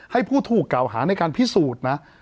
ให้ผู้ถูกกล่าวหาในการพิสูจน์นะ